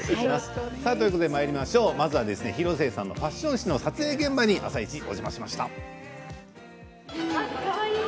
まずは広末さんファッション誌の撮影現場に「あさイチ」お邪魔しました。